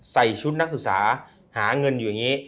ใส่ชุดนักศึกษาหาเงินอยู่อย่างนี้